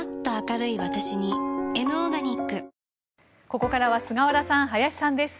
ここからは菅原さん、林さんです。